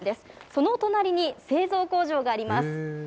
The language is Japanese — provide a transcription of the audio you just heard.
その隣に製造工場があります。